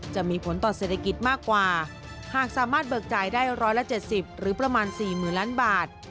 จะมีผลต่อเศรษฐกิจมากกว่าหากสามารถเบิกจ่ายได้๑๗๐หรือประมาณ๔๐๐๐ล้านบาท